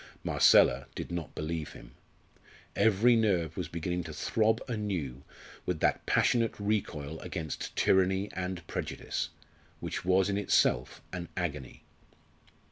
Marcella did not believe him. Every nerve was beginning to throb anew with that passionate recoil against tyranny and prejudice, which was in itself an agony.